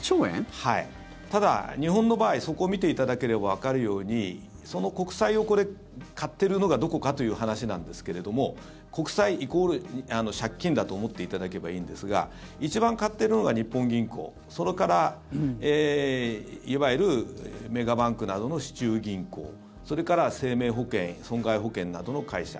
ただ、日本の場合そこを見ていただければわかるようにその国債を、これ買ってるのがどこかという話なんですけれども国債イコール借金だと思っていただければいいんですが一番買ってるのが日本銀行それから、いわゆるメガバンクなどの市中銀行それから生命保険、損害保険などの会社。